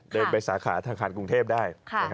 เดินไปสาขาธนาคารกรุงเทพได้